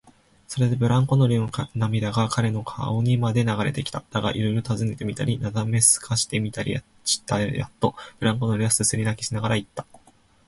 それでブランコ乗りの涙が彼の顔にまで流れてきた。だが、いろいろたずねてみたり、なだめすかしてみたりしてやっと、ブランコ乗りはすすり泣きしながらいった。